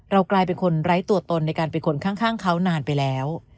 กลายเป็นคนไร้ตัวตนในการเป็นคนข้างเขานานไปแล้ว